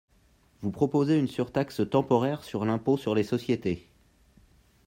Vous proposez une surtaxe temporaire sur l’impôt sur les sociétés.